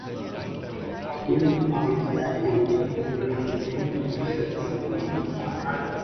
Due to his activity he was detained on several occasions.